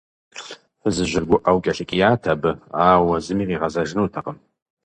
Фызыжьыр гуӀэу кӀэлъыкӀият абы, ауэ зыми къигъэзэжынутэкъым.